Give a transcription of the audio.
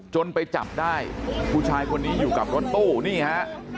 จนไปจับได้ผู้ชายคนนี้อยู่กับรถตู้นี่ฮะ